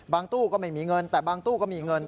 ตู้ก็ไม่มีเงินแต่บางตู้ก็มีเงิน